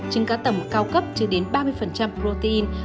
trứng cá tầm cao cấp chứa đến ba mươi protein